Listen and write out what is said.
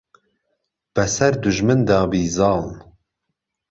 به سهر دوژمن دابی زاڵ